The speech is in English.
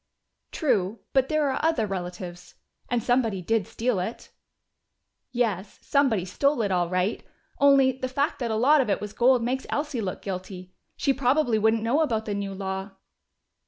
"True. But there are other relatives. And somebody did steal it!" "Yes, somebody stole it, all right. Only, the fact that a lot of it was gold makes Elsie look guilty. She probably wouldn't know about the new law."